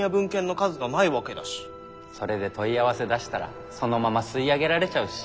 それで問い合わせ出したらそのまま吸い上げられちゃうし。